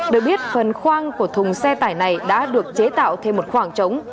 được biết phần khoang của thùng xe tải này đã được chế tạo thêm một khoảng trống